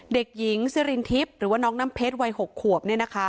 เด็กหญิงซิรินทิพย์หรือว่าน้องน้ำเพชรวัย๖ขวบ